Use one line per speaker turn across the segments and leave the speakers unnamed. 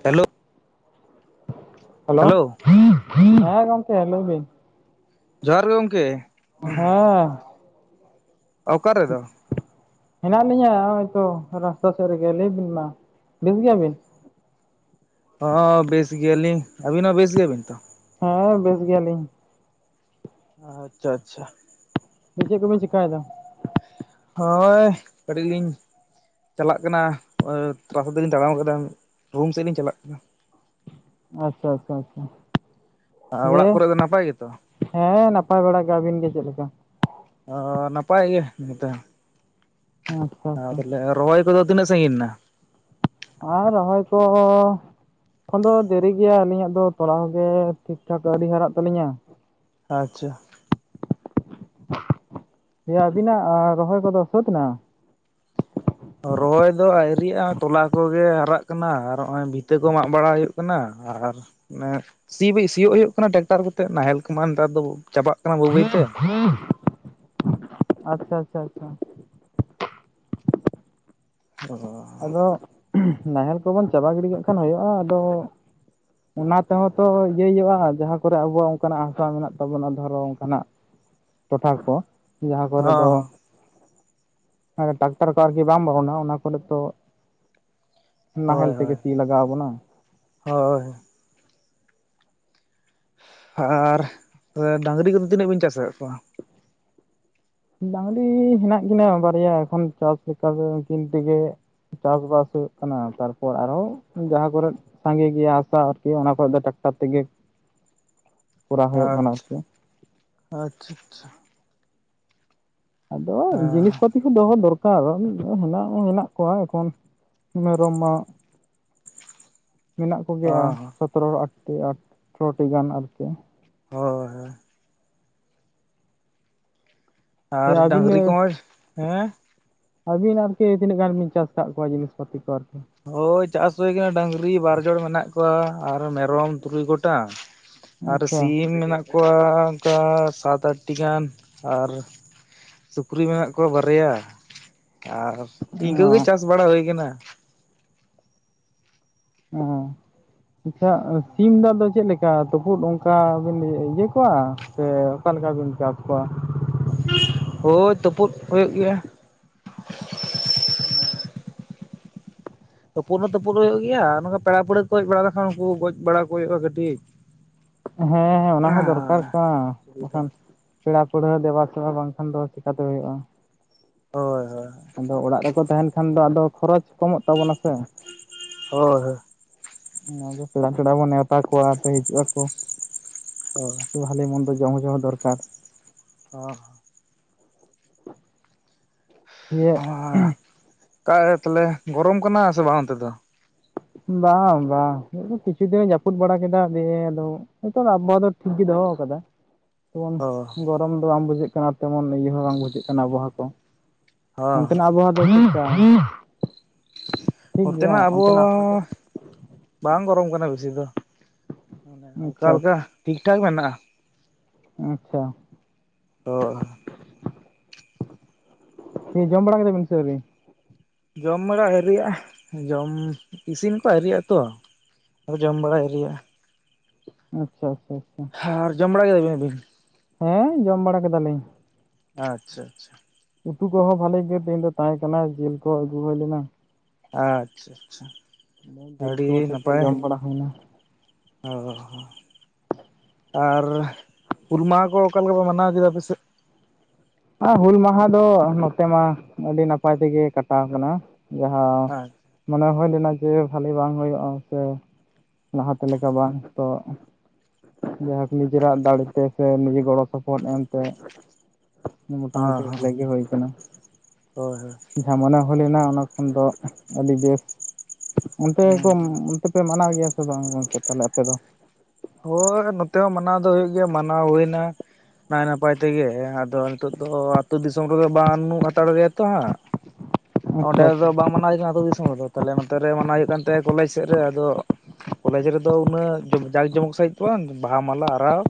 Hello
hello ᱦᱮᱸ ᱜᱚᱢᱠᱮ ᱞᱟᱹᱭ ᱵᱤᱱ
ᱡᱚᱦᱟᱨ ᱜᱮ ᱜᱚᱝᱠᱮ᱾
ᱦᱮᱸ
ᱚᱠᱟ ᱨᱮᱫᱚ
ᱦᱮᱱᱟᱜ ᱞᱤᱧᱟ ᱦᱚᱭᱛᱚ ᱨᱟᱥᱛᱟ ᱥᱮᱫ ᱨᱮᱜᱮ ᱞᱟᱹᱭ ᱵᱤᱱ ᱢᱟ᱾ ᱵᱮᱥ ᱜᱮᱭᱟᱵᱤᱱ?
ᱦᱚᱸ ᱦᱚᱸ ᱵᱮᱥ ᱜᱮᱭᱟᱞᱤᱧ᱾ ᱟᱹᱵᱤᱱ ᱦᱚᱸ ᱵᱮᱥ ᱜᱮᱭᱟᱵᱤᱱ ᱛᱚ?
ᱦᱳᱭ ᱵᱮᱥ ᱜᱮᱭᱟᱞᱤᱧ᱾
ᱟᱪᱪᱷᱟ ᱟᱪᱪᱷᱟ᱾
ᱪᱮᱫ ᱠᱚᱵᱤᱱ ᱪᱮᱠᱟᱭᱮᱫᱟ?
ᱦᱳᱭ ᱠᱟᱹᱴᱤᱡ ᱞᱤᱧ ᱪᱟᱞᱟᱜ ᱠᱟᱱᱟ ᱱᱚᱜᱼᱚᱭ ᱛᱷᱚᱲᱟ ᱥᱟ ᱫᱚᱞᱤᱧ ᱛᱟᱲᱟᱢ ᱟᱠᱟᱫ-ᱟ ᱨᱩᱢ ᱥᱮᱫ ᱞᱤᱧ ᱪᱟᱞᱟᱜ ᱠᱟᱱᱟ᱾
ᱟᱪᱷᱟ ᱟᱪᱷᱟ ᱟᱪᱷᱟ᱾
ᱟᱨ
ᱡᱮ
ᱚᱲᱟᱜ ᱠᱚᱨᱮ ᱫᱚ ᱱᱟᱯᱟᱭ ᱜᱮᱛᱚ
ᱦᱮᱸ ᱱᱟᱯᱟᱭ ᱵᱟᱲᱟ ᱜᱮ᱾ ᱟᱹᱵᱤᱱ ᱜᱮ ᱪᱮᱫᱞᱮᱠᱟ?
ᱟ ᱱᱟᱯᱟᱭ ᱜᱮ ᱱᱤᱛ
ᱟᱪᱪᱷᱟ ᱟᱪᱪᱷᱟ
[unintelligible] ᱨᱚᱦᱚᱭ ᱠᱚᱫᱚ ᱛᱤᱱᱟᱹᱜ ᱥᱟᱺᱜᱤᱧ ᱮᱱᱟ?
ᱟᱸ ᱨᱚᱦᱭ ᱠᱚᱻ ᱮᱠᱷᱚᱱ ᱫᱚ ᱫᱮᱨᱤ ᱜᱮᱭᱟ ᱟᱹᱞᱤᱧᱟᱜ ᱫᱚ ᱛᱚᱲᱟᱣ ᱜᱮ ᱴᱷᱤᱠ ᱴᱷᱟᱠ ᱟᱹᱣᱨᱤ ᱦᱟᱨᱟᱜ ᱛᱟᱹᱟᱞᱤᱧᱟ᱾
ᱟᱪᱪᱷᱟ᱾
ᱦᱮᱸ ᱟᱹᱵᱤᱱᱟᱜ ᱨᱚᱦᱚᱭ ᱠᱚᱫᱚ ᱥᱟᱹᱛ ᱮᱱᱟ?
ᱨᱚᱦᱚᱭ ᱫᱚ ᱟᱹᱭᱨᱤᱭᱟᱜᱼᱟ ᱛᱚᱞᱟ ᱠᱚᱜᱮ ᱦᱟᱨᱟᱜ ᱠᱟᱱᱟ ᱟᱨ ᱱᱚᱜ-ᱚᱭ ᱵᱷᱤᱛᱟᱹ ᱠᱚ ᱢᱟᱜ ᱵᱟᱲᱟ ᱦᱩᱭᱩᱜ ᱠᱟᱱᱟ ᱟᱨ ᱥᱤ ᱵᱤᱫ ᱥᱤᱭᱳᱜ ᱦᱩᱭᱩᱜ ᱠᱟᱱᱟ ᱴᱨᱮᱠᱴᱟᱨ ᱠᱟᱛᱮᱜ ᱱᱟᱦᱮᱞ ᱠᱚᱢᱟ ᱱᱮᱛᱟᱨ ᱫᱚ ᱪᱟᱵᱟᱜ ᱠᱟᱱᱟ ᱵᱟᱹᱭ
[unintelligible]
ᱵᱟᱹᱭᱛᱮ
ᱟᱪᱪᱷᱟ ᱟᱪᱪᱷᱟ ᱟᱪᱪᱷᱟ᱾
ᱚᱦᱚ᱾
ᱟᱫᱚ ᱱᱟᱦᱮᱞ ᱠᱚᱵᱚᱱ ᱪᱟᱵᱟ ᱜᱤᱰᱤ ᱠᱟᱜ ᱠᱷᱟᱱ ᱦᱩᱭᱩᱜᱼᱟ ᱟᱫᱚ ᱚᱱᱟ ᱛᱮᱦᱚᱸ ᱛᱚ ᱤᱭᱟᱹᱭ ᱦᱩᱭᱩᱜᱼᱟ ᱡᱟᱦᱟᱸ ᱠᱚᱨᱮ ᱟᱵᱚᱣᱟᱜ ᱚᱱᱠᱟᱱᱟᱜ ᱦᱟᱥᱟ ᱢᱮᱱᱟᱜ ᱛᱟᱵᱚᱱᱟ ᱫᱷᱚᱨᱚ ᱚᱱᱠᱟᱱᱟᱜ᱾ ᱴᱚᱴᱷᱟ ᱠᱚ᱾ ᱡᱟᱦᱟᱸ ᱠᱚᱨᱮ ᱫᱚ
ᱦᱚᱸ
ᱴᱟᱠᱴᱟᱨ ᱠᱚ ᱟᱨᱠᱤ ᱵᱟᱝ ᱵᱚᱞᱚᱱᱟ ᱚᱱᱟ ᱠᱚᱨᱮ ᱛᱚ, ᱱᱟᱦᱮᱞ
ᱦᱳᱭ
ᱛᱮᱜᱮ
ᱦᱳᱭ
ᱥᱤ ᱞᱟᱜᱟᱣ ᱟᱵᱚᱱᱟ᱾
ᱦᱳᱭ᱾ ᱟᱻᱨ ᱰᱟᱹᱟᱝᱨᱤ ᱠᱚᱫᱚ ᱛᱤᱱᱟᱹᱜ ᱵᱤᱱ ᱪᱟᱥ ᱟᱠᱟᱫ ᱠᱚᱣᱟ?
ᱰᱟᱹᱝᱨᱤ ᱦᱮᱱᱟᱜ ᱠᱤᱱᱟᱹ ᱵᱟᱨᱭᱟ, ᱮᱠᱷᱚᱱ ᱪᱟᱥ ᱞᱮᱠᱟ ᱫᱚ ᱩᱱᱠᱤᱱ ᱛᱮᱜᱮ ᱪᱟᱥᱵᱟᱥ ᱦᱩᱭᱩᱜ ᱠᱟᱱᱟ ᱛᱟᱨᱯᱚᱨ ᱟᱨᱦᱚᱸ ᱡᱟᱦᱟᱸ ᱠᱚᱨᱮ ᱥᱟᱸᱜᱮ ᱜᱮᱭᱟ ᱦᱟᱥᱟ ᱟᱨᱠᱤ ᱚᱱᱟ ᱠᱷᱚᱡ ᱫᱚ ᱴᱟᱠᱴᱟᱨ ᱛᱮᱜᱮ ᱠᱚᱨᱟᱣ ᱦᱩᱭᱩᱜ ᱠᱟᱱᱟ
ᱟᱪᱪᱷᱟ᱾
ᱟᱨᱠᱤ
ᱟᱪᱪᱷᱟ ᱟᱪᱪᱷᱟ ᱟᱪᱪᱷᱟ᱾
ᱟᱫᱚ
ᱟᱪᱪᱷᱟ
ᱡᱤᱱᱤᱥ ᱯᱚᱛ ᱠᱤᱪᱷᱩ ᱫᱚᱦᱚ ᱫᱚᱨᱠᱟᱨ ᱦᱮᱱᱟᱜ ᱦᱚᱸ ᱦᱮᱱᱟᱜ ᱠᱚᱣᱟ ᱮᱠᱷᱚᱱ ᱢᱮᱨᱚᱢᱟ
[inaudible]
ᱢᱮᱱᱟᱜ ᱠᱚᱜᱮᱭᱟ
ᱦᱚᱸ ᱦᱚᱸ
ᱥᱚᱛᱨᱚ ᱟᱴᱴᱤ ᱟᱴᱷᱨᱚᱴᱤ ᱜᱟᱱ ᱟᱨ ᱪᱮᱫ?
ᱦᱳᱭ ᱦᱳᱭ᱾
ᱦᱮᱸ
ᱟᱨ
ᱟᱹᱵᱤᱱ
ᱰᱟᱝᱨᱤ ᱠᱚ ᱢᱚᱡᱽ ᱦᱮᱸ᱾
ᱟᱹᱵᱤᱱ ᱟᱨᱠᱤ ᱛᱤᱱᱟᱹᱜ ᱜᱟᱱ ᱵᱤᱱ ᱪᱟᱥ ᱟᱠᱟᱫ ᱠᱚᱣᱟ ᱡᱤᱱᱤᱥ ᱯᱟᱹᱛᱤ ᱠᱚ ᱟᱨᱠᱤ
ᱦᱳᱭ ᱪᱟᱥ ᱦᱩᱭ ᱟᱠᱟᱱᱟ ᱰᱟᱝᱨᱤ ᱵᱟᱨᱡᱚᱲ ᱢᱮᱱᱟᱜ ᱠᱚᱣᱟ ᱟᱨ ᱢᱮᱨᱚᱢ ᱛᱩᱨᱩᱭ ᱜᱚᱴᱟᱝ᱾ ᱟᱨ
ᱟᱪᱪᱷᱟ
ᱥᱤᱢ ᱢᱮᱱᱟᱜ ᱠᱚᱣᱟ ᱚᱱᱠᱟ ᱥᱟᱛ ᱟᱴᱴᱤ ᱜᱟᱱ ᱟᱨ ᱥᱩᱠᱨᱤ ᱢᱮᱱᱟᱜ ᱠᱚᱣᱟ ᱵᱟᱨᱭᱟ ᱟᱨ
ᱚ
ᱤᱱᱠᱟᱹ ᱜᱮ ᱪᱟᱥ ᱵᱟᱲᱟ ᱦᱩᱭ ᱠᱟᱱᱟ᱾
ᱚᱸ ᱟᱪᱪᱷᱟ ᱥᱤᱢ ᱫᱚ ᱟᱫᱚ ᱪᱮᱫ ᱞᱮᱠᱟ ᱛᱩᱯᱩᱫ ᱚᱱᱠᱟ ᱵᱤᱱ ᱤᱭᱟᱹ ᱠᱚᱣᱟ ᱥᱮ ᱚᱠᱟ ᱞᱮᱠᱟ ᱵᱤᱱ ᱪᱟᱥ ᱠᱚᱣᱟ?
ᱦᱳᱭ ᱛᱩᱯᱩᱫ ᱦᱩᱭᱩᱜ ᱜᱮᱭᱟ᱾
ᱚ᱾
ᱛᱩᱯᱩᱱ ᱦᱚᱸ ᱛᱩᱯᱩᱱ ᱦᱩᱭᱩᱜ ᱜᱮᱭᱟ᱾ ᱱᱚᱠᱟ ᱯᱮᱲᱟ ᱯᱟᱹᱲᱦᱟᱺ ᱠᱚ ᱦᱮᱡ ᱵᱟᱲᱟ ᱞᱮᱱᱠᱷᱟᱱ ᱩᱱᱠᱩ ᱜᱚᱡ ᱵᱟᱲᱟ ᱠᱚ ᱦᱩᱭᱩᱜᱼᱟ ᱠᱟᱹᱴᱤᱡ᱾ [inaudible]
ᱦᱮᱸ ᱦᱮᱸ ᱚᱱᱟ ᱦᱚᱸ ᱫᱚᱨᱠᱟᱨ ᱠᱟᱱ
ᱥᱩᱵᱤᱫᱷᱟ
ᱵᱟᱠᱷᱟᱱ ᱯᱮᱲᱟ ᱯᱟᱹᱲᱦᱟᱺ ᱫᱮᱵᱟᱥᱮᱵᱟ ᱵᱟᱝᱠᱷᱟᱱ ᱫᱚ ᱟᱨ ᱪᱮᱠᱟᱛᱮ ᱦᱩᱭᱩᱜᱼᱟ?
ᱦᱳᱭ ᱦᱳᱭ᱾
ᱟᱫᱚ ᱚᱲᱟᱜ ᱨᱮᱠᱚ ᱛᱟᱦᱮᱱ ᱠᱷᱟᱱ ᱫᱚ ᱟᱫᱚ ᱠᱷᱚᱨᱚᱪ ᱠᱚᱢᱚᱜ ᱛᱟᱵᱚᱱᱟ ᱥᱮ
ᱦᱳᱭ ᱦᱳᱭ᱾
ᱚᱱᱟᱜᱮ ᱯᱮᱲᱟ ᱯᱮᱲᱟ ᱵᱚᱱ ᱱᱮᱣᱛᱟ ᱠᱚᱣᱟ ᱟᱨ ᱠᱚ ᱦᱤᱡᱩᱜ ᱟᱠᱚ᱾
ᱦᱳᱭ᱾
ᱵᱷᱟᱞᱮ ᱢᱚᱱᱫᱚ ᱡᱚᱢ ᱦᱚᱸ ᱡᱚᱢ ᱦᱚᱸ ᱫᱚᱨᱠᱟᱨ᱾
ᱚ [unintelligible]
ᱡᱮ
ᱟᱸ ᱚᱱᱠᱟ ᱜᱮ ᱛᱟᱦᱚᱞᱮ ᱜᱚᱨᱚᱢ ᱠᱟᱱᱟ ᱥᱮ ᱵᱟᱝ ᱚᱱᱛᱮ ᱫᱚ
ᱵᱟᱝ ᱵᱟᱝ ᱢᱤᱫ ᱫᱤᱱ ᱠᱤᱪᱷᱩ ᱫᱤᱱᱮ ᱡᱟᱹᱯᱩᱫ ᱵᱟᱲᱟ ᱠᱮᱫᱟ ᱫᱤᱭᱮ ᱟᱫᱚ ᱱᱤᱛᱚᱝ ᱟᱵᱚᱦᱟᱣᱟ ᱫᱚ ᱴᱷᱤᱠ ᱜᱮ ᱫᱚᱦᱚ ᱟᱠᱟᱫᱟ᱾ ᱡᱮᱢᱚᱱ
ᱚ
ᱜᱚᱨᱚᱢ ᱫᱚ ᱵᱟᱝ ᱵᱩᱡᱷᱟᱹᱜ ᱠᱟᱱᱟ ᱛᱮᱢᱚᱱ ᱤᱭᱟᱹ ᱦᱚᱸ ᱵᱟᱝ ᱵᱩᱡᱷᱟᱹᱜ ᱠᱟᱱᱟ ᱟᱵᱚᱦᱟᱣᱟ ᱠᱚ᱾
ᱦᱚᱸ
ᱚᱱᱛᱮᱱᱟᱜ ᱟᱵᱚᱦᱟᱣᱟ ᱫᱚ ᱪᱮᱫ ᱞᱮᱠᱟ?
ᱚᱱᱛᱮ ᱱᱟᱜ ᱟᱵᱚᱦᱟᱣᱟ ᱚᱸ ᱵᱟᱝ ᱜᱚᱨᱚᱢ ᱠᱟᱱᱟ ᱵᱮᱥᱤ ᱫᱚ ᱢᱟᱱᱮ ᱦᱟᱞᱠᱟ
ᱟᱪᱪᱷᱟ
ᱦᱟᱞᱠᱟ᱾ ᱴᱷᱤᱠ ᱴᱷᱟᱠ ᱢᱮᱱᱟᱜᱼᱟ
ᱟᱪᱷᱟ
ᱦᱳᱭ
ᱡᱚᱢ ᱵᱟᱲᱟ ᱠᱮᱫᱟ ᱵᱤᱱ ᱥᱮ ᱟᱹᱣᱨᱤ
ᱡᱚᱢ ᱵᱟᱲᱟ ᱟᱹᱣᱨᱤ ᱟ, ᱡᱚᱢ, ᱤᱥᱤᱱ ᱠᱚ ᱟᱹᱣᱨᱤᱟᱛᱚ ᱟᱫᱚ ᱡᱚᱢ ᱵᱟᱲᱟ ᱟᱹᱭᱨᱤ ᱭᱟᱜᱼᱟ᱾
ᱟᱪᱪᱷᱟ ᱟᱪᱪᱷᱟ ᱟᱪᱪᱷᱟ
ᱦᱮᱸ ᱟᱨ ᱡᱚᱢ ᱵᱟᱲᱟ ᱠᱮᱫᱟ ᱵᱤᱱ ᱟᱵᱤᱱ?
ᱦᱮᱸ ᱡᱚᱢ ᱵᱟᱲᱟ ᱠᱮᱫᱟᱞᱤᱧ᱾
ᱟᱪᱪᱷᱟ ᱟᱪᱪᱷᱟ
ᱩᱛᱩ ᱠᱚᱦᱚᱸ ᱵᱟᱹᱞᱤ ᱜᱮ ᱛᱮᱦᱮᱧ ᱫᱚ ᱛᱟᱦᱮᱸ ᱠᱟᱱᱟ ᱡᱤᱞ ᱠᱚ ᱟᱹᱜᱩ ᱦᱩᱭ ᱞᱮᱱᱟ᱾
ᱟᱪᱪᱷᱟ ᱟᱪᱪᱷᱟ
ᱡᱤᱞ
ᱟᱹᱰᱤ
ᱠᱩ ᱟᱛᱮ ᱜᱮ ᱡᱚᱢ ᱵᱟᱲᱟ ᱦᱩᱭᱱᱟ᱾
ᱚᱸ ᱟᱨ ᱦᱩᱞ ᱢᱟᱦᱟ ᱠᱚ ᱚᱠᱟ ᱞᱮᱠᱟ ᱠᱚ ᱢᱟᱱᱟᱣ ᱠᱮᱫᱟ ᱟᱯᱮᱥᱮᱫ?
ᱟᱨ ᱦᱩᱞ ᱢᱟᱦᱟ ᱫᱚ ᱱᱚᱛᱮ ᱢᱟ ᱟᱹᱰᱤ ᱱᱟᱯᱟᱭ ᱛᱮᱜᱮ ᱠᱟᱴᱟᱣ ᱠᱟᱱᱟ᱾ ᱡᱟᱦᱟᱸ
ᱦᱮᱸ
ᱢᱚᱱᱮ ᱦᱩᱭ ᱞᱮᱱᱟ ᱡᱮ ᱵᱷᱟᱹᱞᱤ ᱵᱟᱝ ᱦᱩᱭᱩᱜᱼᱟ, ᱡᱮᱻ ᱞᱟᱦᱟᱛᱮ ᱞᱮᱠᱟ ᱵᱟᱝ ᱛᱚ ᱡᱟᱭᱦᱳᱠ ᱱᱤᱡᱮᱨᱟᱜ ᱫᱟᱲᱮᱛᱮ ᱥᱮ ᱱᱤᱡᱮ ᱜᱚᱲᱚ ᱥᱚᱯᱚᱦᱚᱫ ᱮᱢᱛᱮ ᱢᱳᱚᱴᱟᱢᱩᱴᱤ
ᱦᱮᱸ
ᱵᱷᱟᱞᱮ ᱜᱮ ᱦᱩᱭ ᱠᱟᱱᱟ
ᱦᱳᱭ ᱦᱳᱭ
ᱡᱟᱦᱟᱸ ᱢᱚᱱᱮ ᱦᱩᱭ ᱞᱮᱱᱟ ᱚᱱᱟ ᱠᱷᱚᱱ ᱫᱚ, ᱟᱹᱰᱤ ᱵᱮᱥ, ᱚᱱᱛᱮ
ᱦᱩᱸ
ᱠᱷᱚᱱ ᱚᱱᱛᱮ ᱯᱮ ᱢᱟᱱᱟᱣ ᱜᱮᱭᱟ ᱥᱮ ᱵᱟᱝ ᱜᱚᱝᱠᱮ ᱛᱟᱞᱮ ᱟᱯᱮ ᱫᱚ
ᱦᱳᱭ ᱱᱚᱛᱮ ᱦᱚᱸ ᱢᱟᱱᱟᱣ ᱫᱚ ᱦᱩᱭᱩᱜ ᱜᱮᱭᱟ, ᱢᱟᱱᱟᱣ ᱦᱩᱭ ᱮᱱᱟ ᱱᱟᱭ ᱱᱟᱯᱟᱭ ᱛᱮᱜᱮ, ᱟᱫᱚ ᱱᱤᱛᱚᱜ ᱫᱚ ᱟᱛᱳ ᱫᱤᱥᱚᱢ ᱨᱮᱫᱚ ᱵᱟᱱᱩᱜ ᱦᱟᱛᱟᱲ ᱜᱮᱭᱟ ᱛᱚᱦᱟᱸᱜ ᱚᱸᱰᱮ
ᱟᱪᱪᱷᱟ ᱟᱪᱪᱷᱟ
ᱫᱚ ᱵᱟᱝ ᱢᱟᱱᱟᱣ ᱦᱩᱭ ᱠᱟᱱᱟ ᱟᱹᱛᱩ ᱫᱤᱥᱚᱢ ᱨᱮᱫᱚ ᱛᱟᱦᱚᱞᱮ ᱱᱚᱛᱮ ᱨᱮ ᱢᱟᱱᱟᱣ ᱦᱩᱭᱩᱜ ᱠᱟᱱ ᱛᱟᱦᱮ ᱠᱚᱞᱮᱡᱽ ᱥᱮᱫ ᱨᱮ ᱟᱫᱚᱻ ᱠᱚᱞᱮᱡᱽ ᱨᱮᱫᱚ ᱩᱱᱟᱹᱜ ᱡᱩ ᱡᱟᱸᱠ ᱡᱚᱢᱚᱠᱟᱭ ᱠᱷᱚᱱ ᱵᱟᱦᱟ ᱢᱟᱞᱟ ᱟᱨᱟᱣ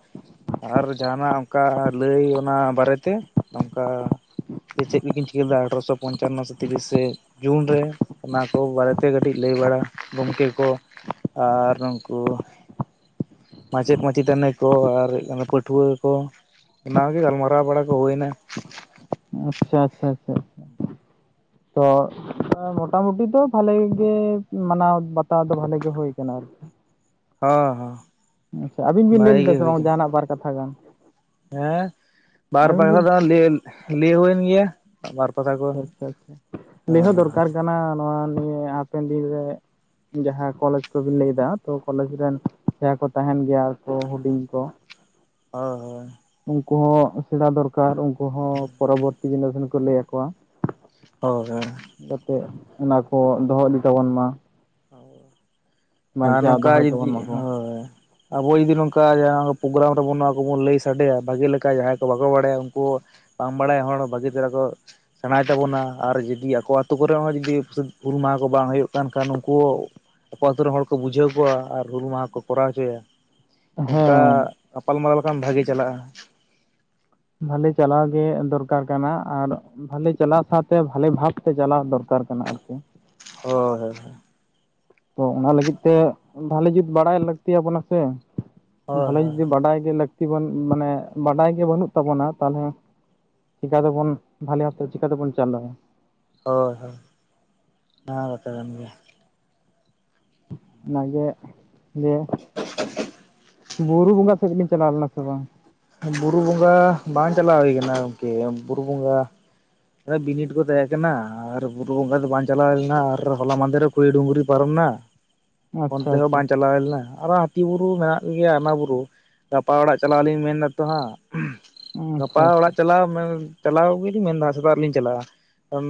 ᱟᱨ ᱡᱟᱦᱟᱱᱟᱜ ᱚᱱᱠᱟ ᱞᱟᱹᱭ ᱚᱱᱟ ᱵᱟᱨᱮᱛᱮ ᱱᱚᱝᱠᱟᱻ ᱪᱮᱫ ᱠᱤᱱ ᱪᱤᱠᱟᱹ ᱞᱮᱫᱟ ᱟᱴᱷᱨᱚᱥᱚ ᱯᱚᱧᱪᱟᱱᱚ ᱛᱤᱨᱤᱥᱮᱻᱡᱩᱱ ᱨᱮ ᱚᱱᱟ ᱠᱚ ᱵᱟᱨᱮᱛᱮ ᱠᱟᱹᱴᱤᱡ ᱞᱟᱹᱭ ᱵᱟᱲᱟ ᱜᱚᱝᱠᱮ ᱠᱚ, ᱟᱨ ᱩᱱᱠᱩ ᱢᱟᱪᱮᱫ - ᱢᱟᱪᱮᱛᱟᱹᱱᱤ ᱠᱚ ᱟᱨ ᱯᱟᱹᱴᱷᱩᱣᱟᱹ ᱠᱚ, ᱚᱱᱟᱜᱮ ᱜᱟᱞᱢᱟᱨᱟᱣ ᱵᱟᱲᱟ ᱠᱚ ᱦᱩᱭᱱᱟ
ᱟᱪᱷᱟ, ᱟᱪᱷᱟ, ᱟᱪᱷᱟ ᱛᱚ ᱢᱚᱴᱟᱢᱩᱴᱤ ᱫᱚ ᱵᱷᱟᱞᱮ ᱜᱮ ᱢᱟᱱᱟᱣ ᱵᱟᱛᱟᱣ ᱫᱚ ᱵᱟᱷᱟᱞᱮ ᱜᱮ ᱦᱳᱭ ᱠᱟᱱᱟ ᱟᱨᱠᱤ
ᱦᱟ ᱦᱟᱸ
ᱟᱪᱷᱟ ᱟᱹᱵᱤᱱ ᱵᱤᱱ ᱞᱟᱹᱭ ᱞᱮᱫᱟ ᱥᱮ ᱵᱟᱝ ᱡᱟᱦᱟᱱᱟᱜ ᱵᱟᱨ ᱠᱟᱛᱷᱟ ᱜᱟᱱ
ᱦᱮᱸ ᱵᱟᱨ
ᱟᱹᱵᱤᱱ
ᱠᱟᱛᱷᱟ
ᱵᱤᱱ
ᱫᱚ ᱞᱟᱹᱭ ᱦᱩᱭᱮᱱ ᱜᱮᱭᱟ ᱵᱟᱨ ᱠᱟᱛᱷᱟ ᱠᱚ
ᱟᱪᱪᱷᱟ, ᱟᱪᱪᱷᱟ
ᱦᱳᱭ
ᱞᱟᱹᱭᱦᱚᱸ ᱫᱚᱨᱠᱟᱨ ᱠᱟᱱᱟ ᱱᱚᱣᱟ ᱱᱤᱭᱟᱹ ᱦᱟᱯᱮᱱ ᱫᱤᱱᱨᱮ ᱡᱟᱦᱟᱸ ᱠᱚᱞᱮᱡᱽ ᱠᱚᱵᱤᱱ ᱞᱟᱹᱭ ᱮᱫᱟ, ᱛᱚ ᱠᱚᱞᱮᱡᱽ ᱨᱮᱱ ᱡᱟᱦᱟᱸᱭ ᱠᱚ ᱛᱟᱦᱮᱱ ᱜᱮᱭᱟ ᱟᱨ ᱠᱚ ᱦᱩᱰᱤᱧ ᱠᱚ
ᱦᱚ ᱦᱳᱭ
ᱩᱱᱠᱩ ᱦᱚᱸ ᱥᱮᱬᱟ ᱫᱚᱨᱠᱟᱨ, ᱩᱱᱠᱩ ᱦᱚᱸ ᱯᱚᱨᱚᱵᱯᱩᱨᱛᱤ ᱤᱱᱟᱹᱠᱦᱟᱱ ᱠᱚ ᱞᱟᱹᱭ ᱟᱠᱚᱣᱟ
ᱦᱚᱭ ᱦᱚᱭ
ᱡᱟᱛᱮ, ᱚᱱᱟ ᱠᱚ ᱫᱚᱦᱚ ᱤᱫᱤ ᱛᱟᱵᱚᱱ ᱢᱟ
ᱟᱨ
ᱵᱟᱧᱪᱟᱣ
ᱱᱚᱝᱠᱟ
ᱫᱚᱦᱚᱭ
ᱡᱩᱫᱤ,
ᱛᱟᱵᱚᱱ ᱢᱟᱠᱚ
ᱦᱳᱭ ᱟᱵᱚ ᱡᱩᱫᱤ ᱱᱚᱝᱠᱟ ᱡᱟᱦᱟᱸᱻ ᱯᱨᱳᱜᱨᱟᱢ ᱨᱮᱵ ᱱᱚᱣᱟ ᱠᱚᱵᱚᱱ ᱞᱟᱹᱭ ᱥᱟᱰᱮᱭᱟ ᱵᱷᱟᱜᱤ ᱞᱮᱠᱟ ᱡᱟᱦᱟᱸᱭ ᱠᱚ ᱵᱟᱠᱚ ᱵᱟᱲᱟᱭᱟ ᱩᱱᱠᱩ ᱵᱟᱝ ᱵᱟᱲᱟᱭᱟᱱ ᱦᱚᱲ ᱵᱷᱟᱹᱜᱤ ᱪᱮᱦᱨᱟ ᱠᱚ ᱥᱮᱬᱟᱭ ᱛᱟᱵᱚᱱᱟ ᱟᱨ ᱡᱩᱫᱤ ᱟᱠᱚ ᱟᱛᱳ ᱠᱚᱨᱮ ᱦᱚᱸ ᱡᱩᱫᱤᱫ ᱜᱩᱨᱩ ᱢᱟᱦᱟ ᱠᱚ ᱵᱟᱝ ᱦᱩᱭᱩᱜ ᱠᱟᱱ ᱠᱷᱟᱱ ᱠᱚ ᱟᱠᱚ ᱟᱛᱳᱨᱮᱱ ᱦᱚᱲ ᱠᱚ ᱵᱩᱡᱷᱟᱹᱣ ᱠᱚᱣᱟ ᱟᱨ ᱦᱩᱞ ᱢᱟᱦᱟ ᱠᱚ ᱠᱚᱨᱟᱣ ᱦᱚᱪᱚᱭᱟ ᱚᱱᱠᱟᱻ
ᱦᱮᱸ
ᱜᱟᱯᱟᱞᱢᱟᱨᱟᱣ ᱞᱮᱠᱷᱟᱱ ᱵᱷᱟᱜᱤ ᱪᱟᱞᱟᱜᱼᱟ
ᱵᱷᱟᱹᱞᱮ ᱪᱟᱞᱟᱣ ᱜᱮ ᱫᱚᱨᱠᱟᱨ ᱠᱟᱱᱟ ᱟᱨ ᱵᱷᱟᱞᱮ ᱪᱟᱞᱟᱜ ᱥᱟᱶᱛᱮ, ᱵᱷᱟᱞᱮ ᱵᱷᱟᱵᱽᱛᱮ ᱪᱟᱞᱟᱣ ᱫᱚᱨᱠᱟᱨ ᱠᱟᱱᱟ ᱟᱨᱠᱤ
ᱦᱳᱭ ᱦᱚᱭ ᱦᱚᱭ
ᱛᱚ ᱚᱱᱟ ᱞᱟᱹᱜᱤᱫ ᱛᱮ, ᱵᱷᱟᱹᱞᱤ ᱡᱩᱛ ᱵᱟᱲᱟᱭ ᱞᱟᱹᱠᱛᱤᱤᱭᱟᱵᱚᱱᱟ ᱥᱮ
ᱦᱳᱭ
ᱵᱷᱟᱞᱮ
ᱦᱳᱭ
ᱡᱩᱫᱤ ᱵᱟᱰᱟᱭ ᱜᱮ ᱞᱟᱹᱠᱛᱤ ᱢᱟᱱᱮ, ᱵᱟᱰᱟᱭ ᱜᱮ ᱵᱟᱹᱱᱩᱜ ᱛᱟᱵᱚᱱᱟ ᱛᱟᱦᱞᱮ ᱪᱮᱠᱟᱛᱮᱵᱚᱱ, ᱵᱷᱟᱞᱮ ᱵᱷᱟᱯᱛᱮ ᱪᱮᱠᱟᱛᱮᱵᱚᱱ ᱪᱟᱞᱟᱣᱟ
ᱦᱳᱭ ᱦᱳᱭ ᱱᱚᱣᱟ ᱠᱟᱛᱷᱟ ᱠᱟᱱ ᱜᱮᱭᱟ
ᱚᱱᱟ ᱜᱮ [unintelligible]
[inaudible]
ᱵᱩᱨᱩ ᱵᱚᱸᱜᱟ ᱥᱮᱫ ᱵᱤᱱ ᱪᱟᱞᱟᱣ ᱞᱮᱱᱟ ᱥᱮ ᱵᱟᱝ?
ᱵᱩᱨᱩ ᱵᱚᱸᱜᱟ ᱵᱟᱝ, ᱪᱟᱞᱟᱣ ᱦᱩᱭ ᱠᱟᱱᱟ ᱜᱚᱝᱠᱮ, ᱵᱩᱨᱩ ᱵᱚᱸᱜᱟ ᱵᱤᱱᱤᱰ ᱠᱚ ᱛᱟᱦᱮᱸ ᱠᱟᱱᱟ ᱟᱨ ᱵᱩᱨᱩ ᱵᱚᱝᱜᱟ ᱫᱚ ᱵᱟᱝ ᱪᱟᱞᱟᱣ ᱞᱮᱱᱟ ᱟᱨ ᱦᱚᱞᱟ ᱢᱟᱦᱫᱮ ᱨᱮ ᱠᱩᱲᱤ ᱰᱩᱝᱨᱤ ᱯᱟᱨᱚᱢᱱᱟ
ᱟᱪᱪᱷᱟ
ᱚᱱᱛᱮᱦᱚᱸ
ᱟᱪᱪᱷᱟ
ᱵᱟᱝ ᱪᱟᱞᱟᱣ ᱦᱩᱭᱞᱮᱱᱟ ᱟᱨᱚ ᱦᱟᱹᱛᱤ ᱵᱩᱨᱩ ᱢᱮᱱᱟᱜ ᱜᱮᱭᱟ ᱚᱱᱟ ᱵᱩᱨᱩ, ᱜᱟᱯᱟ ᱚᱲᱟᱜ ᱪᱟᱞᱟᱣ ᱞᱤᱧ ᱢᱮᱱ ᱫᱟ ᱛᱚ ᱦᱟᱸᱜ ᱜᱟᱯᱟ
ᱟᱪᱪᱷᱟ
ᱚᱲᱟᱜ ᱪᱟᱞᱟᱣ ᱢᱮᱱ ᱪᱟᱞᱟᱣ ᱜᱮᱞᱤᱧ ᱢᱮᱱᱫᱟ ᱥᱮᱛᱟᱜ ᱨᱮ ᱞᱤᱧ ᱪᱟᱞᱟᱜᱼᱟ ᱠᱟᱨᱚᱱ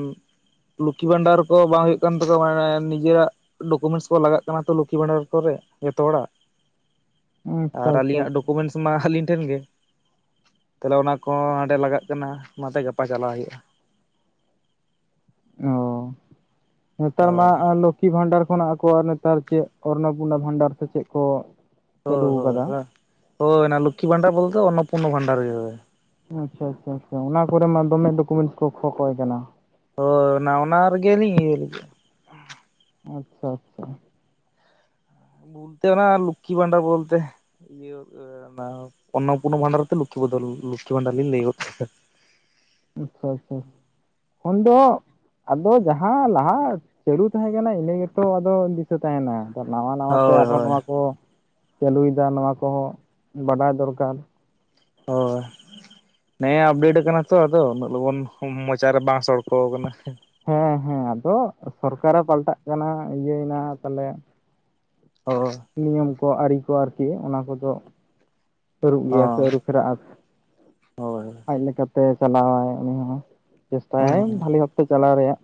ᱞᱚᱠᱷᱤ ᱵᱷᱟᱱᱰᱟᱨ ᱠᱚ ᱵᱟᱝ ᱦᱩᱭᱩᱜ ᱠᱟᱱ ᱛᱟᱠᱚᱣᱟ ᱢᱟᱱᱮ ᱱᱤᱡᱮᱨᱟᱜ ᱰᱚᱠᱩᱢᱮᱱᱴᱥ ᱠᱚ ᱞᱟᱜᱟᱜ ᱠᱟᱱᱟ ᱛᱚ ᱞᱩᱠᱷᱤ ᱵᱷᱟᱱᱰᱟᱨ ᱠᱚᱨᱮ ᱡᱚᱛᱚ ᱦᱚᱲᱟᱜ
ᱟᱪᱪᱷᱟ
ᱟᱨ
ᱟᱪᱪᱷᱟ
ᱟᱹᱞᱤᱧᱟᱜ
ᱟᱪᱪᱷᱟ
ᱰᱚᱠᱩᱢᱮᱱᱴᱥ ᱢᱟ ᱟᱹᱞᱤᱧ ᱴᱷᱮᱱ ᱜᱮ ᱛᱟᱦᱚᱞᱮ ᱚᱱᱟ ᱠᱚᱦᱚᱸ ᱦᱟᱸᱰᱮ ᱞᱟᱜᱟᱜ ᱠᱟᱱᱟ ᱚᱱᱟᱛᱮ ᱜᱟᱯᱟ ᱪᱟᱞᱟᱣ ᱦᱩᱭᱩᱜ-ᱟ
ᱚ ᱱᱮᱛᱟᱨ ᱢᱟ ᱮ ᱞᱚ ᱠᱷᱤ ᱵᱷᱟᱱᱰᱟᱨ ᱠᱷᱚᱱᱟᱜ ᱟᱠᱚᱣᱟᱜ ᱱᱮᱛᱟᱨ ᱪᱮᱫ ᱚᱨᱱᱚᱯᱩᱮᱱᱟ ᱵᱷᱟᱱᱰᱟᱨ ᱥᱮ ᱪᱮᱫ ᱠᱚ ᱪᱟᱹᱞᱩ
ᱦᱳᱭ ᱦᱳᱭ
ᱟᱠᱟᱫᱟ
ᱦᱚᱭ ᱦᱳᱭ ᱚᱱᱟ ᱞᱩᱠᱷᱤ ᱵᱷᱟᱱᱰᱟᱨ ᱵᱚᱞᱛᱮ ᱚᱱᱱᱚᱯᱚᱱᱚ ᱵᱷᱟᱱᱰᱟᱨ ᱜᱮ ᱦᱳᱭ
ᱟᱪᱪᱷᱟ ᱟᱪᱪᱷᱟ ᱟᱪᱪᱷᱟ ᱚᱱᱟ ᱠᱚᱨᱮ ᱢᱟ ᱫᱚᱢᱮ ᱰᱚᱠᱩᱢᱮᱱᱴᱥ ᱠᱚ ᱠᱷᱚᱠᱚᱭ ᱠᱟᱱᱟ
ᱦᱳᱭ ᱚᱱᱟ ᱚᱱᱟ ᱨᱮᱜᱮᱞᱤᱧ ᱤᱭᱟ. ᱞᱟ. ᱜᱤᱫ
ᱟᱪᱪᱷᱟ ᱟᱪᱪᱷᱟ
ᱛᱮ ᱱᱚᱣᱟ ᱞᱩᱠᱷᱤ ᱵᱷᱟᱱᱰᱟ ᱵᱚᱞᱛᱮ, ᱚᱱᱱᱚᱯᱩᱱᱱᱚ ᱵᱷᱟᱱᱰᱟᱨ ᱛᱮ ᱞᱩᱠᱷᱤ ᱵᱚᱫᱚᱞ ᱞᱩᱠᱷᱤ ᱵᱷᱟᱱᱰᱟᱨ ᱞᱤᱧ ᱞᱟᱹᱭ
ᱟᱪᱪᱷᱟ ᱟᱪᱪᱷᱟ ᱠᱷᱚᱱ-ᱫᱚᱜ ᱟᱫᱚ ᱡᱟᱦᱟᱸ ᱞᱟᱦᱟ ᱪᱟᱹᱞᱩ ᱛᱟᱦᱮᱸ ᱠᱟᱱᱟ ᱤᱱᱟᱹ ᱜᱮᱛᱚ ᱟᱫᱚ ᱫᱤᱥᱟᱹ ᱛᱟᱦᱮᱱᱟ ᱱᱟᱣᱟ ᱱᱟᱣᱟ ᱛᱮ
ᱦᱳᱭ
ᱟᱨᱦᱚᱸ
ᱦᱳᱭ
ᱱᱚᱣᱟ ᱠᱚ ᱪᱟᱹᱞᱩᱭᱮᱫᱟ ᱱᱚᱣᱟ ᱠᱚᱦᱚᱸ ᱵᱟᱰᱟᱭ ᱫᱚᱨᱠᱟᱨ
ᱦᱳᱭ ᱦᱮᱸ ᱟᱯᱰᱮᱴ ᱟᱠᱟᱱᱟ ᱛᱚ ᱟᱫᱚ ᱩᱱᱟᱹᱜ ᱞᱚᱜᱚᱱ ᱢᱚᱪᱟ ᱨᱮ ᱵᱟᱝ ᱥᱚᱲᱠᱚᱣ ᱠᱟᱱᱟ
ᱦᱮᱸ ᱦᱮᱸ ᱟᱫᱚ ᱥᱚᱨᱠᱟᱨᱮ ᱯᱟᱞᱴᱟᱜ ᱠᱟᱱᱟ ᱤᱭᱟᱹᱭᱱᱟ ᱛᱟᱞᱮ
ᱚ [unintelligible]
ᱱᱤᱭᱚᱢ ᱠᱚ ᱟᱹᱨᱤ ᱠᱚ ᱟᱨᱠᱤ ᱚᱱᱟ ᱠᱚᱫᱚ ᱟᱹᱨᱩᱜ ᱜᱮᱭᱟ ᱥᱮ
ᱦᱚᱸ
ᱟᱹᱨᱩᱜ
ᱦᱳᱭ
[unintelligible] ᱟᱡ ᱞᱮᱠᱟ ᱛᱮ ᱪᱟᱞᱟᱣᱟᱭ ᱩᱱᱤ ᱦᱚᱸ ᱪᱮᱥᱴᱟᱭᱟᱺᱡ
ᱦᱩᱸ
ᱵᱷᱟᱞᱮ ᱵᱷᱟᱵᱛᱮ ᱪᱟᱞᱟᱣ ᱨᱮᱭᱟᱜ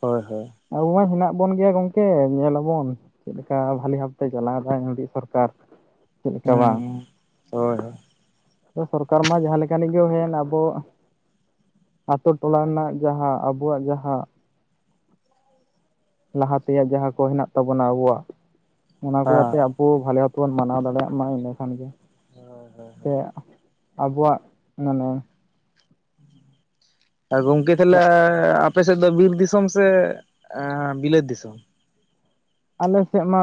ᱦᱳᱭ ᱦᱳᱭ
ᱟᱵᱚ ᱢᱟ ᱦᱮᱱᱟᱜ ᱵᱚᱱ ᱜᱮᱭᱟ ᱜᱚᱝᱠᱮ ᱧᱮᱞᱟᱵᱚᱱ ᱪᱮᱫ ᱞᱮᱠᱟ ᱵᱷᱟᱞᱤ ᱵᱷᱟᱯᱛᱮ ᱪᱟᱞᱟᱣ ᱫᱟ ᱱᱩᱭᱴᱤᱡ ᱥᱚᱨᱠᱟᱨ ᱪᱮᱫ ᱞᱮᱠᱟ
ᱦᱩᱸ
ᱵᱟᱝ
ᱦᱳᱭ ᱦᱳᱭ ᱦᱮᱸ
ᱥᱚᱨᱠᱟᱨ ᱢᱟ ᱡᱟᱦᱟᱸ ᱞᱮᱠᱟᱱᱤᱜ ᱜᱮ ᱦᱩᱭᱮᱱ ᱟᱫᱚ ᱟᱛᱳ ᱴᱚᱞᱟ ᱨᱮᱱᱟᱜ ᱡᱟᱦᱟᱸ ᱟᱵᱚᱣᱟᱜ ᱡᱟᱦᱟᱸ ᱞᱟᱦᱟ ᱛᱮᱭᱟᱜ ᱡᱟᱦᱟᱸ ᱠᱚ ᱦᱮᱱᱟᱜ ᱛᱟᱵᱚᱱᱟ ᱟᱵᱚᱣᱟᱜ ᱚᱱᱟ ᱠᱚ ᱟᱛᱮ [unintelligible] ᱢᱟᱱᱟᱣ ᱫᱟᱲᱮᱭᱟᱜ ᱢᱟ ᱤᱱᱟᱹ ᱠᱷᱟᱱ ᱜᱮ
ᱦᱳᱭ ᱦᱳᱭ
ᱥᱮ ᱟᱵᱚᱣᱟᱜ ᱢᱟᱱᱮ
ᱜᱚᱝᱠᱮ ᱛᱟᱦᱚᱞᱮ ᱟᱯᱮ ᱥᱮᱫ ᱫᱚ ᱵᱤᱨ ᱫᱤᱥᱟᱹᱢ ᱥᱮ ᱵᱤᱞᱟᱹᱛ ᱫᱤᱥᱟᱹᱢ
ᱟᱞᱮ ᱥᱮᱫ ᱢᱟ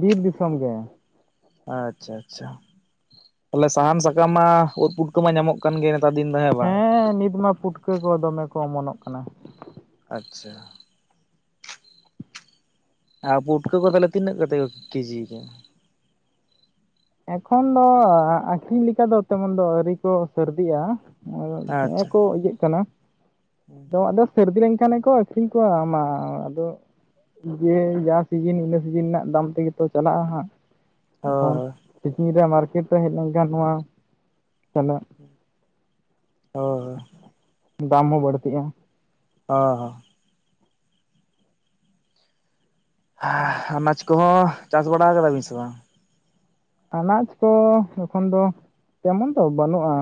ᱵᱤᱨ ᱫᱤᱥᱟᱹᱢ ᱜᱮ
ᱟᱪᱪᱷᱟ ᱟᱪᱪᱷᱟ ᱛᱟᱞᱮ ᱥᱟᱦᱟᱱ ᱥᱟᱠᱟᱢ ᱢᱟ ᱩᱫ ᱯᱩᱴᱠᱟᱹ ᱢᱟ ᱧᱟᱢᱚᱜ ᱠᱟᱱ ᱜᱮ [unintelligible] ᱱᱮᱛᱟᱨ ᱫᱤᱱ ᱫᱚ ᱵᱟᱝ
ᱦᱮᱸ ᱱᱤᱛ ᱢᱟ ᱯᱩᱴᱠᱟᱹ ᱠᱚ ᱫᱚᱢᱮ ᱠᱚ ᱚᱢᱚᱱᱚᱜ ᱠᱟᱱᱟ
ᱟᱪᱪᱷᱟ ᱟᱨ ᱯᱩᱴᱠᱟᱹ ᱠᱚᱫᱚ ᱛᱟᱦᱚᱞᱮ ᱛᱤᱱᱟᱹᱜ ᱠᱟᱛᱮᱜ ᱠᱚ ᱠᱮᱡᱤ ᱫᱟ
ᱮᱠᱷᱚᱱ ᱫᱚ ᱟᱠᱷᱨᱤᱧ ᱞᱮᱠᱟ ᱫᱚ ᱛᱮᱢᱚᱱ ᱫᱚ ᱟᱹᱨᱤ ᱠᱚ ᱥᱟᱹᱨᱫᱤᱜ-ᱟ ᱟ ᱦᱮᱸ
ᱟᱪᱪᱷᱟ
ᱠᱚ ᱤᱭᱟᱹᱜ ᱠᱟᱱᱟ
ᱦᱳᱭ
ᱟᱫᱚᱢᱟᱜ ᱫᱚ᱾ ᱥᱟᱹᱨᱫᱤ ᱞᱮᱱᱠᱷᱟᱱ ᱜᱮᱠᱚ ᱟᱹᱠᱷᱨᱤᱧ ᱠᱚᱣᱟ ᱢᱟ ᱟᱫᱚ ᱡᱮ ᱡᱟ ᱥᱤᱡᱤᱱ ᱤᱱᱟᱹ ᱥᱤᱡᱤᱱ ᱨᱮᱱᱟᱜ ᱫᱟᱢ ᱛᱮᱜᱮᱛᱚ ᱪᱟᱞᱟᱜᱼᱟ ᱦᱟᱸᱜ᱾ ᱮᱠᱷᱚᱱ
ᱦᱳᱭ
ᱛᱤᱠᱤᱱ ᱨᱮ ᱢᱟᱨᱠᱮᱴ ᱨᱮ ᱦᱮᱡ ᱞᱮᱱᱠᱷᱟᱱ ᱱᱚᱣᱟ ᱪᱟᱞᱟᱜ
[unintelligible]
ᱫᱟᱢ ᱦᱚᱸ ᱵᱟᱹᱲᱛᱤᱜ-ᱟ
[unintelligible] [unintelligible] ᱱᱟᱡᱽ ᱠᱚᱦᱚᱸ ᱪᱟᱥ ᱵᱟᱲᱟ ᱟᱠᱟᱫᱟ ᱵᱤᱱ ᱥᱮ ᱵᱟᱝ
ᱟᱱᱟᱡᱽ ᱠᱚ ᱮᱠᱷᱚᱱ ᱫᱚ ᱛᱮᱢᱚᱱ ᱫᱚ ᱵᱟᱹᱱᱩᱜ-ᱟ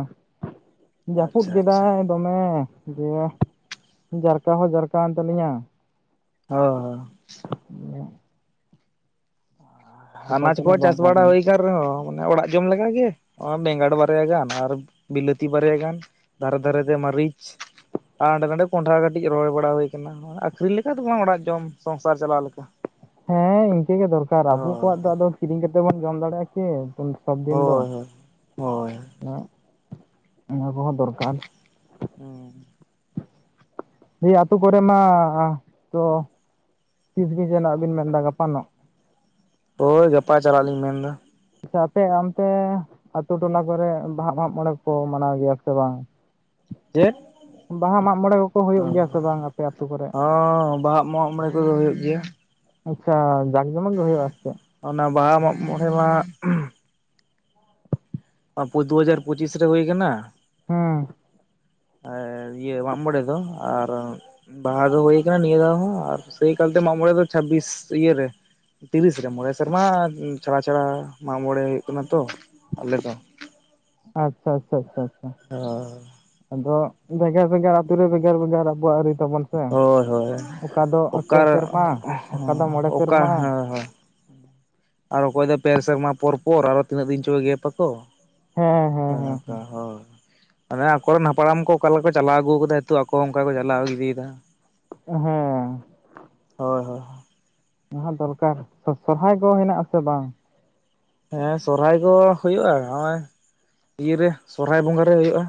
ᱡᱟᱹᱯᱩᱫ
ᱟᱪᱪᱷᱟ ᱟᱪᱪᱷᱟ
ᱠᱮᱫᱟᱭ ᱫᱚᱢᱮ ᱫᱤᱭᱮ ᱡᱟᱨᱠᱟᱣ ᱦᱚᱸ ᱡᱟᱨᱠᱟᱣᱮᱱ ᱛᱟᱞᱤᱧᱟᱹ
ᱦ [unintelligible]
[unintelligible] ᱚᱠᱟ
ᱦᱟᱱᱟᱡ
ᱥᱮᱫ
ᱠᱚ
ᱦᱚᱸ ᱵᱟᱝ
ᱪᱟᱥ
ᱜᱟᱱ
ᱵᱟᱲᱟ
ᱞᱮᱱᱟ
ᱦᱩᱭ [unintelligible] ᱨᱮᱦᱚᱸ ᱢᱟᱱᱮ ᱚᱲᱟᱜ ᱡᱚᱢ ᱞᱮᱠᱟᱜ ᱜᱮ ᱵᱮᱸᱜᱟᱲ ᱵᱟᱨᱭᱟ ᱜᱟᱱ ᱟᱨ ᱵᱤᱞᱟᱹᱛᱤ ᱵᱟᱨᱭᱟ ᱜᱟᱱ ᱫᱷᱟᱨᱮ ᱫᱷᱟᱨᱮ ᱛᱮ ᱢᱟᱹᱨᱤᱪ ᱟᱨ ᱦᱟᱸᱰᱮ ᱱᱟᱰᱮ ᱠᱚᱸᱰᱷᱟ ᱠᱟᱹᱴᱤᱡ ᱨᱚᱦᱚᱭ ᱵᱟᱲᱟ ᱦᱩᱭ ᱠᱟᱱᱟ ᱟᱹᱷᱨᱤᱧ ᱞᱮᱠᱟ ᱫᱚ ᱵᱟᱝ ᱚᱲᱟᱜ ᱡᱚᱢ ᱥᱚᱝᱥᱟᱨ ᱪᱟᱞᱟᱣ ᱞᱮᱠᱟ᱾
ᱦᱮᱸ ᱤᱱᱠᱟᱹ ᱜᱮ ᱫᱚᱨᱠᱟᱨ ᱟᱵᱚ ᱠᱚᱣᱟᱜ ᱫᱚ
ᱦᱳᱭ
ᱟᱫᱚ ᱠᱤᱨᱤᱧ ᱠᱟᱛᱮ ᱵᱚᱱ ᱡᱚᱢ ᱫᱟᱲᱮᱭᱟᱜᱼᱟ ᱠᱤ᱾ ᱥᱚᱵ ᱫᱤᱱ ᱫᱚ
ᱦᱳᱭ ᱦᱳᱭ ᱦᱳᱭ
ᱚᱱᱟ ᱠᱚᱦᱚᱸ ᱫᱚᱨᱠᱟᱨ
ᱚᱸ
ᱫᱤᱭᱮ ᱟᱹᱛᱩᱳ ᱠᱚᱨᱮ ᱢᱟ ᱛᱚ ᱛᱤᱥᱜᱮ ᱡᱮᱱᱚᱱᱟᱜ [unintelligible] ᱵᱤᱱ ᱢᱮᱱᱮᱫᱫᱟ ᱜᱟᱯᱟᱱᱚᱜ
ᱦᱳᱭ ᱜᱟᱯᱟ ᱪᱟᱞᱟᱜ ᱞᱤᱧ ᱢᱮᱱ ᱮᱫᱟ᱾
ᱟᱪᱪᱷᱟ ᱟᱯᱮ ᱚᱱᱛᱮ ᱟᱛᱤ ᱴᱚᱞᱟ ᱠᱚᱨᱮ ᱵᱟᱦᱟ ᱢᱟᱜ ᱢᱚᱬᱮ ᱠᱚ ᱢᱟᱱᱟᱣ ᱜᱮᱭᱟ ᱥᱮ ᱵᱟᱝ
ᱪᱮᱛ?
ᱵᱟᱦᱟ ᱢᱟᱜ ᱢᱚᱬᱮ ᱠᱚᱠᱚ
ᱚ
ᱦᱩᱭᱩᱜ ᱜᱮᱭᱟ ᱥᱮ ᱵᱟᱝ ᱟᱯᱮ ᱟᱛᱳ ᱠᱚᱨᱮ?
ᱦᱚᱸ ᱵᱟᱦᱟᱜ ᱢᱟᱜ ᱢᱚᱬᱮ ᱠᱚᱫᱚ ᱦᱩᱭᱩᱜ ᱜᱮᱭᱟ᱾
ᱟᱪᱪᱷᱟ ᱡᱟᱸᱠᱡᱚᱢᱚᱠ ᱜᱮ ᱦᱩᱭᱩᱜ ᱟ ᱥᱮ?
ᱚᱱᱟ ᱵᱟᱦᱟ ᱢᱟᱜ ᱢᱚᱬᱮ ᱢᱟ ᱫᱩᱦᱟᱡᱟᱨ ᱯᱚᱸᱪᱤᱥ ᱨᱮ ᱦᱳ ᱟᱠᱟᱱᱟ᱾
ᱦᱩᱸ
ᱤᱭᱟᱹ ᱢᱟᱜ ᱢᱚᱲᱮ ᱫᱚ ᱟᱨ ᱵᱟᱦᱟ ᱫᱚ ᱦᱩᱭ ᱟᱠᱟᱱᱟ ᱱᱤᱭᱟᱹ ᱫᱷᱟᱣ ᱦᱚᱸ ᱟᱨ ᱥᱮᱭ ᱠᱟᱞᱛᱮ ᱢᱟᱢᱚᱬᱮ ᱫᱚ ᱪᱷᱟᱵᱤᱥ ᱤᱭ ᱨᱮ ᱛᱤᱨᱤᱥ ᱨᱮ ᱢᱚᱬᱮ ᱥᱮᱨᱢᱟ ᱪᱷᱟᱲᱟ ᱪᱷᱟᱲᱟ ᱢᱟᱜ ᱢᱚᱬᱮ ᱦᱩᱭᱩᱜ ᱠᱟᱱᱟ ᱛᱚ ᱟᱞᱮ ᱫᱚ
ᱟᱪᱪᱷᱟ ᱟᱪᱪᱷᱟ ᱟᱪᱪᱷᱟ ᱟᱪᱪᱷᱟ
ᱚ [unintelligible]
ᱟᱫᱚ ᱵᱷᱮᱜᱟᱨ ᱵᱷᱮᱜᱟᱨ ᱟᱛᱩ ᱨᱮ ᱵᱷᱮᱜᱟᱨ ᱵᱷᱮᱜᱟᱨ ᱟᱵᱚᱣᱟᱜ ᱟᱹᱨᱤ ᱛᱟᱵᱚᱱ ᱥᱮ
ᱦᱳᱭ ᱦᱳᱭ
ᱚᱠᱟ ᱫᱚ ᱯᱮ
ᱚᱠᱟ
ᱥᱮᱨᱢᱟ ᱚᱠᱟ ᱫᱚ ᱢᱚᱬᱮ
ᱚᱠᱟ
ᱥᱮᱨᱢᱟ
ᱦᱮᱸ ᱦᱮᱸ ᱟᱨ ᱚᱠᱚᱭ ᱫᱚ ᱯᱮ ᱥᱮᱨᱢᱟ ᱯᱚᱨ ᱯᱚᱨ ᱟᱨᱚ ᱛᱤᱱᱟᱹᱜ ᱫᱤᱱ ᱪᱚ ᱜᱮᱯ ᱟᱠᱚ
ᱦᱮᱸ ᱦᱮᱸ ᱦᱮᱸ
ᱱᱚᱠᱟ ᱦᱚᱲ ᱢᱟᱱᱮ ᱟᱠᱚᱨᱮᱱ ᱦᱟᱯᱲᱟᱢ ᱠᱚ ᱚᱠᱟ ᱞᱮᱠᱟ ᱠᱚ ᱪᱟᱞᱟᱣ ᱟᱹᱜᱩ ᱟᱠᱟᱫᱟᱛᱩ ᱟᱠᱚ ᱚᱱᱠᱟ ᱠᱚ ᱪᱟᱞᱟᱣ ᱤᱫᱤᱭᱮᱫᱟ
ᱦᱮᱸ
ᱦᱳᱭ ᱦᱳᱭ
ᱚᱱᱟ ᱫᱚᱨᱠᱟᱨ ᱥᱚᱨᱦᱟᱭ ᱠᱚ ᱦᱮᱱᱟᱜ ᱟᱥᱮ ᱵᱟᱝ?
ᱦᱮᱸ ᱥᱚᱨᱦᱟᱭ ᱠᱚ ᱦᱩᱭᱩᱜᱼᱟ᱾ ᱱᱚᱜᱚᱭ ᱤᱭᱮ ᱥᱚᱨᱦᱟᱭ ᱵᱚᱸᱜᱟ ᱨᱮ ᱦᱩᱭᱩᱜᱼᱟ᱾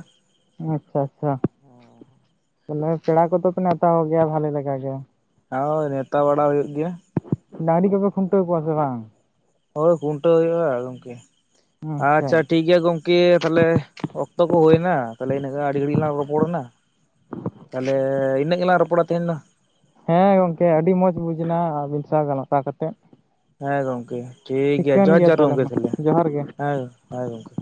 ᱟᱪᱪᱷᱟ ᱟᱪᱪᱷᱟ ᱛᱟᱦᱚᱞᱮ ᱯᱮᱲᱟ ᱠᱚᱫᱚ ᱯᱮ ᱱᱮᱶᱛᱟ ᱜᱮᱭᱟ ᱵᱷᱟᱞᱤ ᱞᱮᱠᱟ ᱜᱮ?
ᱦᱳᱭ ᱱᱮᱶᱛᱟ ᱵᱟᱲᱟ ᱦᱩᱭᱩᱜ ᱜᱮᱭᱟ᱾
ᱰᱟᱝᱨᱤ ᱠᱚᱯᱮ ᱠᱷᱩᱱᱴᱟᱹᱣ ᱠᱚᱣᱟ ᱥᱮ ᱵᱟᱝ?
ᱦᱳᱭ ᱠᱷᱩᱱᱴᱟᱹᱣ ᱦᱩᱭᱩᱜᱼᱟ ᱜᱚᱝᱠᱮ ᱟᱪᱪᱷᱟ ᱴᱷᱤᱠ ᱴᱷᱤᱠ ᱜᱮᱭᱟ ᱜᱚᱢᱠᱮ ᱛᱟᱦᱚᱞᱮ ᱚᱠᱛᱚ ᱠᱚ ᱦᱩᱭᱮᱱᱟ ᱛᱟᱦᱚᱞᱮ ᱤᱱᱟᱹᱜᱟᱱ ᱟᱹᱰᱤ ᱜᱷᱟᱹᱲᱤᱡ ᱞᱟᱝ ᱨᱚᱯᱚᱲᱮᱱᱟ ᱛᱟᱦᱚᱞᱮ ᱤᱱᱟᱹᱜ ᱜᱮᱞᱟᱝ ᱨᱚᱯᱚᱲᱟ ᱛᱟᱦᱮᱱᱟ᱾
ᱦᱮᱸ ᱜᱚᱝᱠᱮ ᱟᱹᱰᱤ ᱢᱚᱸᱡᱽ ᱵᱩᱡᱽ ᱮᱱᱟ ᱟᱹᱵᱤᱱ ᱥᱟᱶ ᱜᱟᱟᱞᱛᱟᱟᱣ ᱠᱟᱛᱮᱫ
ᱦᱮᱸ ᱜᱚᱢᱠᱮ ᱴᱷᱤᱠ ᱜᱮᱭᱟ
ᱴᱷᱤᱠᱟᱹᱱ
ᱡᱚᱦᱟᱨ ᱡᱚᱦᱟᱨ
ᱛᱟᱦᱚᱞᱮ
ᱜᱚᱢᱠᱮ
ᱢᱟ
ᱛᱟᱦᱮ
ᱡᱚᱦᱟᱨ ᱜᱮ
ᱦᱮᱸ ᱦᱮᱸ ᱜᱚᱢᱠᱮ᱾